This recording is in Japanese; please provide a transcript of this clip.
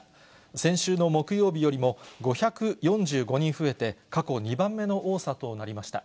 先週の木曜日よりも５４５人増えて、過去２番目の多さとなりました。